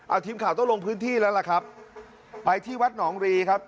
เอาทีมข่าวต้องลงพื้นที่แล้วล่ะครับไปที่วัดหนองรีครับ